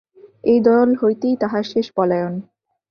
এই দল হইতেই তাহার শেষ পলায়ন।